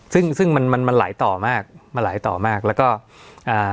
ซึ่งซึ่งมันมันหลายต่อมากมันหลายต่อมากแล้วก็อ่า